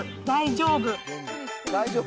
大丈夫。